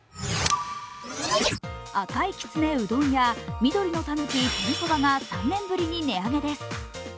赤いきつねうどんや、緑のたぬき天そばが３年ぶりに値上げです。